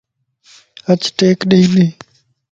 اچ ٽيڪ ڏئي ٻي